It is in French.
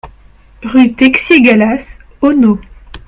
Rue Texier Gallas, Auneau